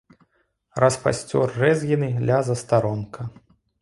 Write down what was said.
Распасцёр рэзгіны ля застаронка.